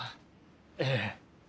ええ。